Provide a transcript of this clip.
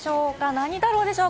何太郎でしょうか？